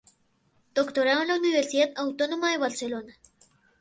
Doctorado en la Universidad Autónoma de Barcelona.